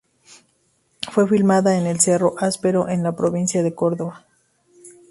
Fue filmada en Cerro Áspero en la provincia de Córdoba.